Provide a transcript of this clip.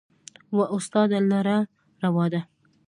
و استاد لره روا ده